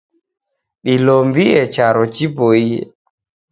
Dilombie charo jipoie